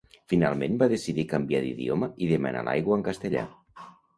Finalment va decidir canviar d’idioma i demanar l’aigua en castellà.